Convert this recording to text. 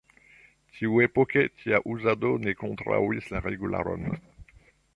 Tiuepoke tia uzado ne kontraŭis la regularon.